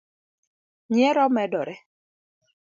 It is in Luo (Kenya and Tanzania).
nyiero medore